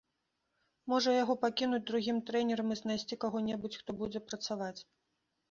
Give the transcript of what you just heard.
Можа, яго пакінуць другім трэнерам, і знайсці каго-небудзь, хто будзе працаваць.